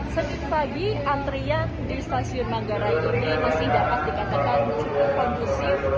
sejak pagi antrian di stasiun manggarai ini masih dapat dikatakan cukup kondusif